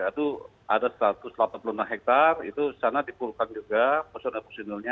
itu ada satu ratus delapan puluh enam hektare itu sana di pulkan juga poson posonilnya